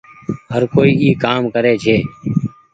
هر ڪوئي اي ڪآم ڪري ڇي۔